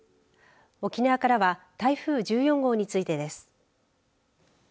沖縄からは台風１４号についてです。